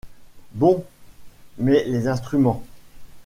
Bon ; mais les instruments?